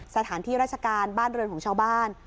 สถานที่ราชการบ้านเรือนของชาวบ้าน